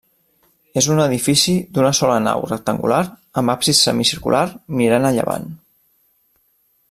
És un edifici d'una sola nau rectangular amb absis semicircular mirant a llevant.